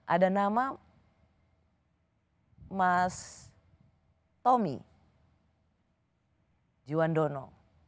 ada nama mas tommy juwandono